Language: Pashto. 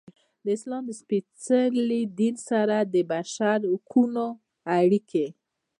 د اسلام سپیڅلي دین سره د بشر د حقونو اړیکې.